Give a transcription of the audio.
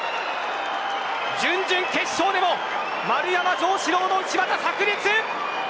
準々決勝でも丸山城志郎の内股さく裂。